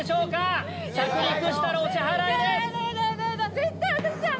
絶対私じゃん！